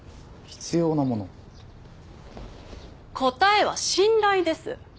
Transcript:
答えは「信頼」です。